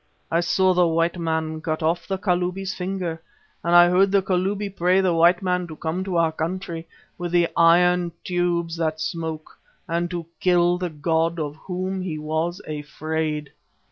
I saw the white man cut off the Kalubi's finger and I heard the Kalubi pray the white man to come to our country with the iron tubes that smoke, and to kill the god of whom he was afraid."